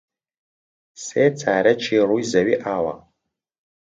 سێ چارەکی ڕووی زەوی ئاوە.